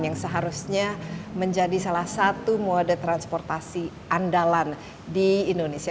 yang seharusnya menjadi salah satu mode transportasi andalan di indonesia